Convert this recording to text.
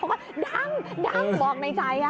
เพราะว่าดำดำบอกใบใจอ่ะ